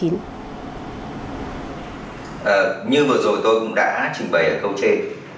như vừa rồi tôi cũng đã trình bày ở câu trên